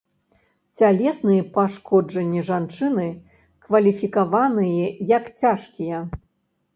Цялесныя пашкоджанні жанчыны кваліфікаваныя як цяжкія.